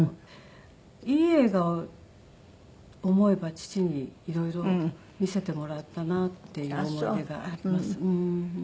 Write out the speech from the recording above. いい映画を思えば父に色々見せてもらったなっていう思い出があります。